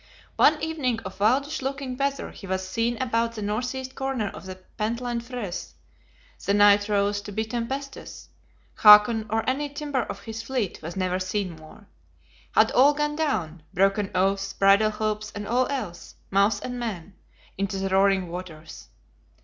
One evening of wildish looking weather he was seen about the northeast corner of the Pentland Frith; the night rose to be tempestuous; Hakon or any timber of his fleet was never seen more. Had all gone down, broken oaths, bridal hopes, and all else; mouse and man, into the roaring waters.